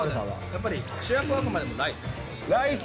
やっぱり主役はあくまでもライス。